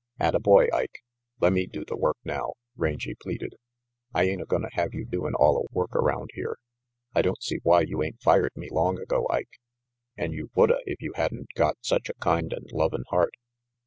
"Atta boy, Ike, lemme do the work now," Rangy pleaded. "I ain't a gonna have you doin' alia work around here. I don't see why you ain't fired me long ago, Ike, an' you woulda if you hadn't got such a kind and lovin' heart.